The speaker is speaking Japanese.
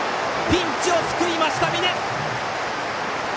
ピンチを救いました、峯！